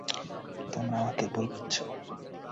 তোমরা আমাকে ভুল বুঝছো।